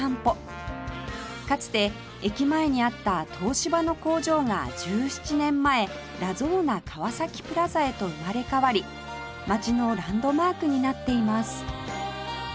かつて駅前にあった東芝の工場が１７年前ラゾーナ川崎プラザへと生まれ変わり街のランドマークになっています